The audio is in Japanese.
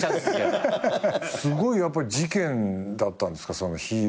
すごいやっぱり事件だったんですか？